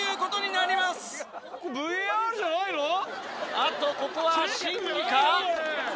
あっとここは審議か？